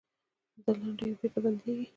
دا لیندیو بېرته بندېږي.